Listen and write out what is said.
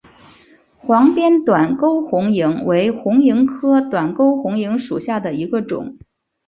黄边短沟红萤为红萤科短沟红萤属下的一个种。